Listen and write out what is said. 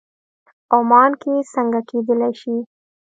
عمان کې څنګه کېدلی شي.